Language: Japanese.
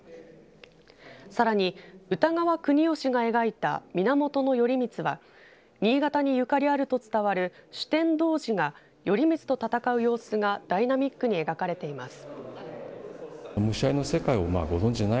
さらに、歌川国芳が描いた源頼光は新潟にゆかりあると伝わる酒呑童子が頼光と戦う様子がダイナミックに描かれています。